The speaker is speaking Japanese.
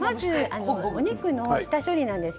お肉の下処理です。